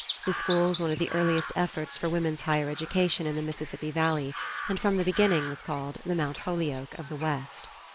The school was one of the earliest efforts for women's higher education in the Mississippi Valley, and from the beginning was called "The Mount Holyoke of the West."